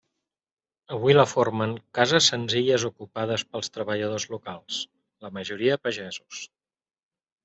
Avui la formen cases senzilles ocupades pels treballadors locals, la majoria pagesos.